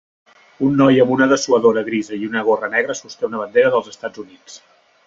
Un noi amb un dessuadora grisa i una gorra negra sosté una bandera dels Estats Units.